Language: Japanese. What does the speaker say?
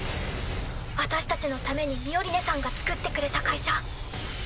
私たちのためにミオリネさんがつくってくれた会社手伝いたい。